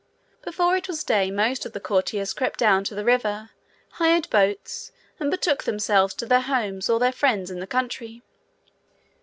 Before it was day most of the courtiers crept down to the river, hired boats, and betook themselves to their homes or their friends in the country.